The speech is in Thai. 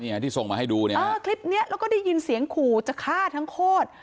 ที่ส่งมาให้ดูเนี่ยเออคลิปเนี้ยแล้วก็ได้ยินเสียงขู่จะฆ่าทั้งโคตร